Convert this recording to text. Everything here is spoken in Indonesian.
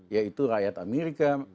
yaitu rakyat amerika